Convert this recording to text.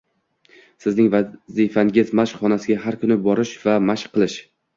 Sizning vazifangiz mashq xonasiga har kuni borish va mashq qilish